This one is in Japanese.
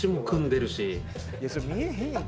「それ見えへんやん。